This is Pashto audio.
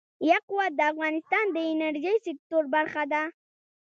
یاقوت د افغانستان د انرژۍ سکتور برخه ده.